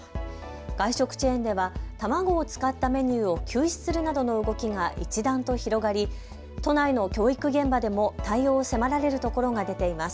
外食チェーンでは卵を使ったメニューを休止するなどの動きが一段と広がり、都内の教育現場でも対応を迫られるところが出ています。